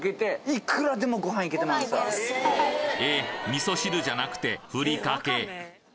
味噌汁じゃなくてふりかけ？